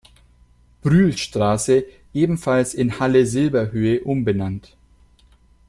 Brühlstraße ebenfalls in Halle-Silberhöhe umbenannt.